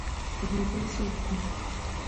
غافل څوک دی؟